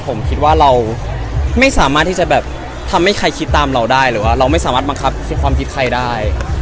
ผมคิดว่าเราไม่สามารถที่จะแบบทำให้ใครคิดตามเราได้หรือว่าเราไม่สามารถบังคับความคิดใครได้